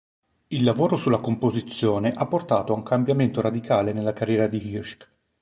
Il lavoro sulla composizione ha portato a un cambiamento radicale nella carriera di Hirsch.